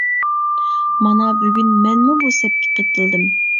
مانا، بۈگۈن مەنمۇ بۇ سەپكە قېتىلدىم.